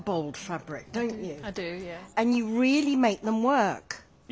はい。